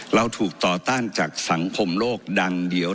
เราถูกต่อต้านจากสังคมโลกดังเดียว